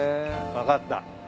分かった。